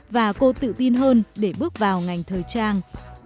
và cô tự tin hơn để bước vào ngành thời trang